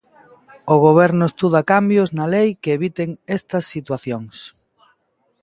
O Goberno estuda cambios na lei que eviten estas situacións.